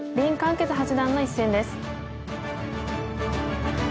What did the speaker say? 傑八段の一戦です。